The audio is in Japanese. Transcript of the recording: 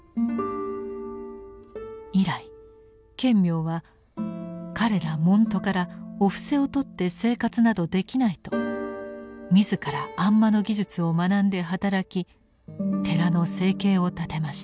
以来顕明は彼ら門徒からお布施を取って生活などできないと自ら按摩の技術を学んで働き寺の生計を立てました。